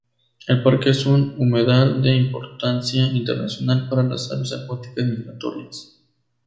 El parque es un humedal de importancia internacional para las aves acuáticas migratorias.